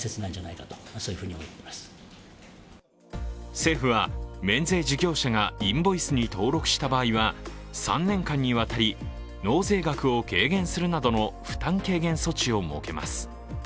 政府は免税事業者がインボイスに登録した場合は３年間にわたり納税額を軽減するなどの負担軽減措置を設けます。